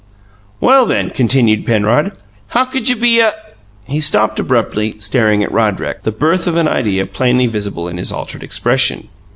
"Well, then," continued Penrod, "how could you be a " He stopped abruptly, staring at Roderick, the birth of an idea plainly visible in his altered expression.